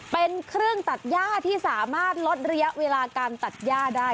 เป็นเครื่องตัดย่าที่สามารถลดระยะเวลาการตัดย่าได้